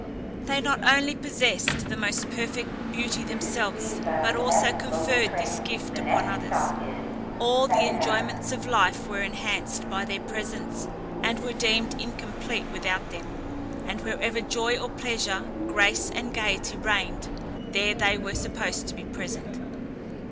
They not only possessed the most perfect beauty themselves, but also conferred this gift upon others. All the enjoyments of life were enhanced by their presence, and were deemed incomplete without them; and wherever joy or pleasure, grace and gaiety reigned, there they were supposed to be present.